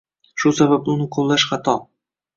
Shu sababli uni qoʻllash xato